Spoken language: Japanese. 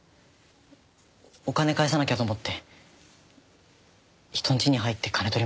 お金返さなきゃと思って人んちに入って金取りました。